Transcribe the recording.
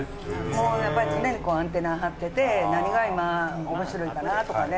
もうやっぱり常にアンテナ張ってて何が今面白いかな？とかね。